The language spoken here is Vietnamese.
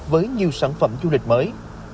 với nhiều sản phẩm du lịch mới